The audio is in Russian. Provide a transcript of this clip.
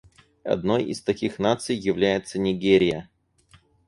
Одной из таких наций является Нигерия.